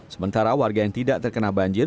sementara warga yang tidak terkena banjir